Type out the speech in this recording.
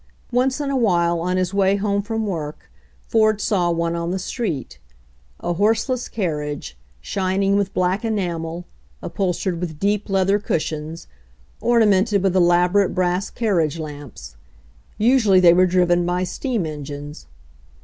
Once in a while on his way home from work Ford saw one on the street — a horseless carriage, shining with black enamel, upholstered with deep leather cushions, orna mented with elaborate brass carriage lamps. Usually they were driven by steam engines.